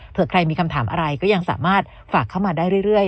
เพื่อใครมีคำถามอะไรก็ยังสามารถฝากเข้ามาได้เรื่อย